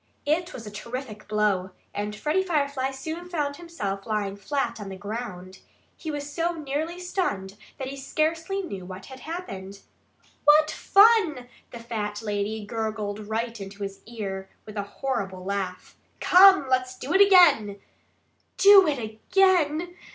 It was a terrific blow. And Freddie Firefly soon found himself lying flat on the ground. He was so nearly stunned that he scarcely knew what had happened. "What fun!" the fat lady gurgled right in his ear, with a horrible laugh. "Come! Let's do it again!" "Do it again!"